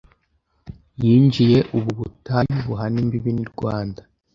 Yinjiye ubu Ubutayu buhana imbibi, nirwanda